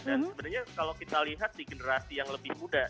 sebenarnya kalau kita lihat di generasi yang lebih muda